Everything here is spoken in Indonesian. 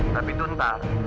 tapi tuh ntar